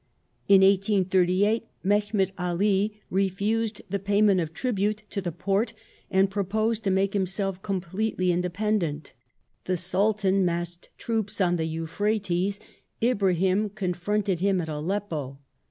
In 1838 Mehemet AH refused the payment of tribute to the Porte, and proposed to make himself completely independent. The Sultan massed troops on jthe Euphrates : Ibra him confronted him at Aleppo.